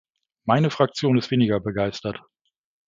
Meine Fraktion ist weniger begeistert.